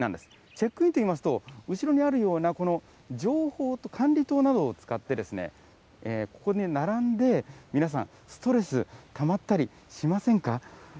チェックインといいますと、後ろにあるような情報棟、管理棟などを使って、ここに並んで、皆さん、ストレスたまったりしますね。